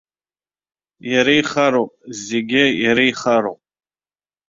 Иара ихароуп, зегьы иара ихароуп.